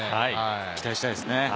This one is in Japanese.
期待したいですね。